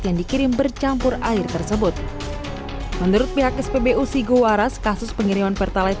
yang dikirim bercampur air tersebut menurut pihak spbu sigowaras kasus pengiriman pertalite